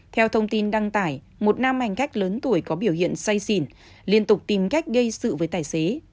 theo thông tin đăng tải một nam hành khách lớn tuổi có biểu hiện say xỉn liên tục tìm cách gây sự với tài xế